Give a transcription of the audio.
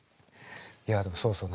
いやでもそうそう。